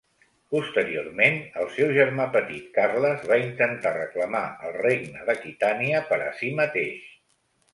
Posteriorment, el seu germà petit Carles, va intentar reclamar el regne d'Aquitània per a si mateix.